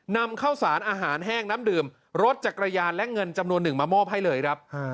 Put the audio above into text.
นำข้าวสารอาหารแห้งน้ำดื่มรถจักรยานและเงินจำนวนหนึ่งมามอบให้เลยครับ